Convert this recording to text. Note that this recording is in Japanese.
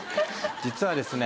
実はですね